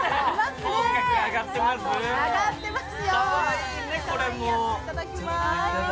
口角上がってます？